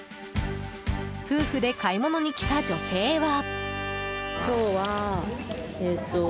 夫婦で買い物に来た女性は。